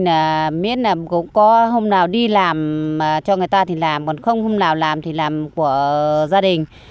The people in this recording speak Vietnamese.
mô hình là biết là có hôm nào đi làm cho người ta thì làm còn không hôm nào làm thì làm của gia đình